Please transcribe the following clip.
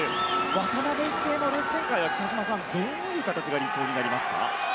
渡辺一平のレース展開はどういう形が理想になりますか？